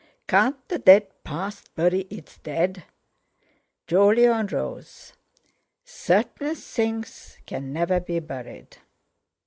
"Can't the dead past bury its dead?" Jolyon rose. "Certain things can never be buried."